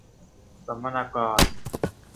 สัมมากร